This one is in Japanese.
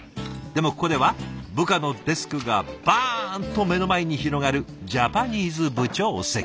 でもここでは部下のデスクがバーンと目の前に広がるジャパニーズ部長席。